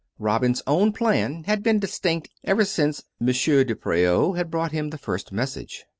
Robin's own plan had been distinct ever since M. de Preau had brought him the first message.